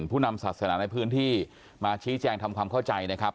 ผู้นำศาสนาในพื้นที่มาชี้แจงทำความเข้าใจนะครับ